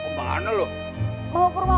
beneran siang kepe